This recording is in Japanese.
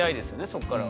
そこからは。